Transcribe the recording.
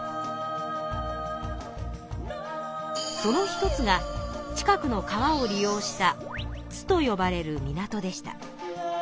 その一つが近くの川を利用した津と呼ばれる港でした。